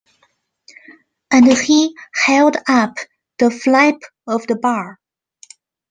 And he held up the flap of the bar.